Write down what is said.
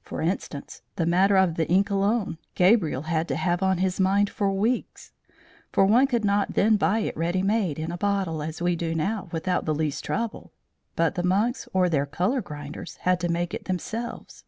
For instance, the matter of the ink alone, Gabriel had to have on his mind for weeks; for one could not then buy it ready made, in a bottle, as we do now without the least trouble, but the monks or their colour grinders had to make it themselves.